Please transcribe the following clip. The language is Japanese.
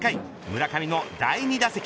村上の第２打席。